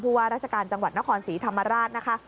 ว่าราชการจังหวัดนครศรีธรรมราชนะคะ